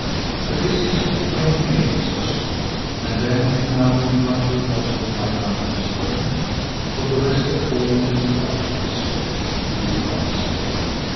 The business took twenty minutes or so, and then, numbering about two thousand five hundred strong, for the rest had fallen in the fight of the square, we advanced again.